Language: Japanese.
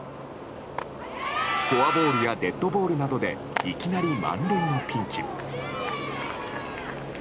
フォアボールやデッドボールなどでいきなり満塁のピンチ。